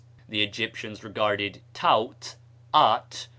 The Egyptians regarded Taut (At?)